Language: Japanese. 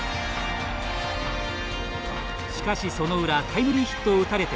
しかしその裏タイムリーヒットを打たれて同点。